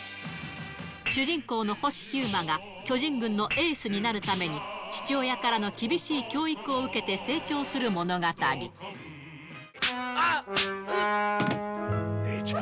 主人公の星飛雄馬が巨人軍のエースになるために、父親からの厳しあっ、うっ。